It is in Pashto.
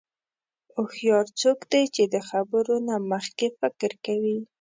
هوښیار څوک دی چې د خبرو نه مخکې فکر کوي.